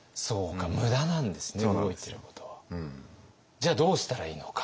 じゃあどうしたらいいのか？